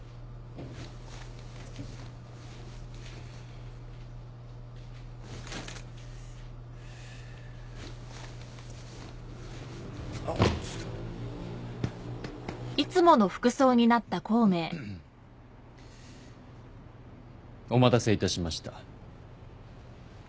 お待たせいたしました。